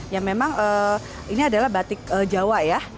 yang memang ini adalah batik jawa ya